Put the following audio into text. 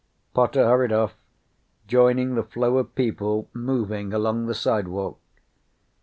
Potter hurried off, joining the flow of people moving along the sidewalk.